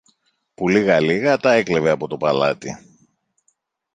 που λίγα-λίγα τα έκλεβε από το παλάτι.